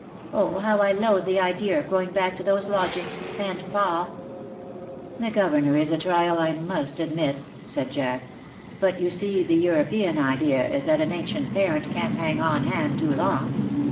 " Oh, how I loathe the idea of going back to those lodgings — and pa V^ "The governor is a trial, I must admit," said Jack. " But you see the European idea is that an ancient parent canH hang on hand too long.